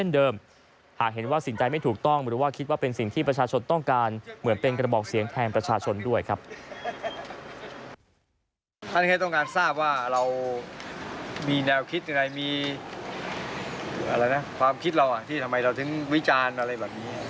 ท่านแค่ต้องการทราบว่าเรามีแนวคิดอะไรมีอะไรนะความคิดเราที่ทำไมเราถึงวิจารณ์อะไรแบบนี้